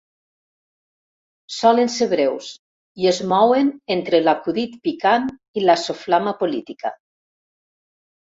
Solen ser breus i es mouen entre l'acudit picant i la soflama política.